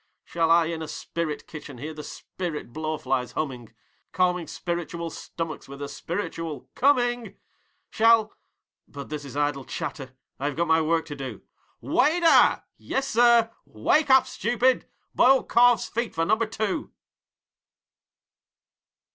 Shall I in a spirit kitchen hear the spirit blowflies humming, Calming spiritual stomachs with a spiritual 'Coming!'? Shall but this is idle chatter, I have got my work to do. 'WAITER!!' 'Yessir.' 'Wake up, stupid! Boiled calves' feet for Number Two!'